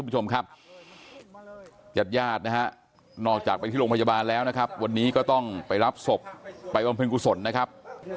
จัดยาดนอกจากไปที่โรงพยาบาลแล้วนะครับวันนี้ก็ต้องไปรับส่งไปอำเภนกุศลนะครับ